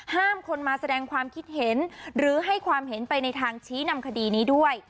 ห้ามคนมาแสดงความคิดเห็นหรือให้ความเห็นไปในทางชี้นำคดีนี้ด้วย